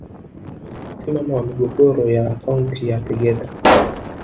Si mama wa migogoro ya akaunti ya Tegeta